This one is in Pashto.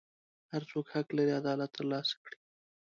هر څوک حق لري عدالت ترلاسه کړي.